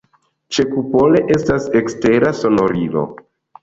Ĉekupole estas ekstera sonorilo.